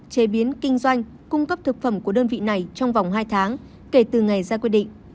chế biến kinh doanh cung cấp thực phẩm của đơn vị này trong vòng hai tháng kể từ ngày ra quyết định